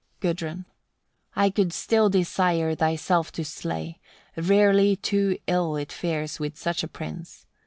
Gudrun. 83. I could still desire thyself to slay; rarely too ill it fares with such a prince.